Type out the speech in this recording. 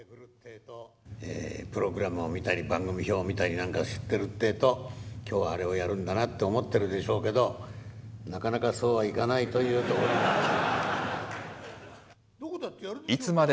プログラムを見たり、番組表を見たりなんかしてるってえと、きょうはあれをやるんだなって思ってるでしょうけど、なかなかそうはいかないというところで。